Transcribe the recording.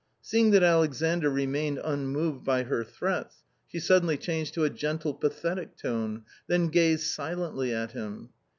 Seeing that Alexandr remained unmoved by her threats, she suddenly changed to a gentle, pathetic tone, then gazed silently at him.